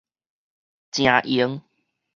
誠閒